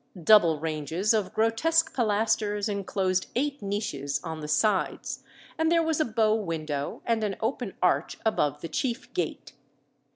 Double ranges of grotesque pilasters enclosed eight niches on the sides, and there was a bow window and an open arch above the chief gate.